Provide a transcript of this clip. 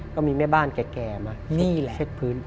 ก็มีแม่บ้านแก่มาเช็ดพื้น